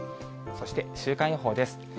そして週間予報です。